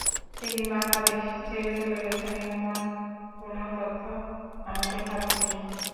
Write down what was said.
তিনি বাংলাদেশ ছেড়ে চলে গেছেন এমন কোনো তথ্য আমাদের হাতে নেই।